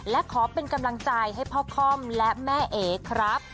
และขอเป็นกำลังใจให้พ่อค่อมและแม่เอ๋ครับ